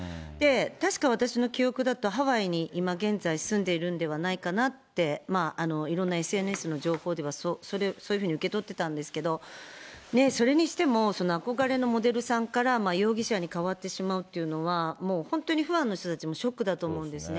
確か、私の記憶だとハワイに今現在、住んでいるんではないかなって、いろんなＳＮＳの情報ではそういうふうに受け取ってたんですけど、それにしても、憧れのモデルさんから容疑者に変わってしまうというのは、もう、本当にファンの人たちもショックだと思うんですね。